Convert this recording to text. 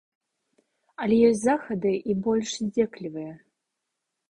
Але ёсць захады і больш здзеклівыя.